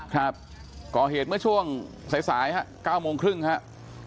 ครับก่อเหตุเมื่อช่วงสายฮะ๙โมงครึ่งครับ